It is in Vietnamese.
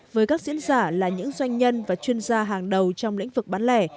với các diễn giả là những doanh nhân và chuyên gia hàng đầu trong lĩnh vực bán lẻ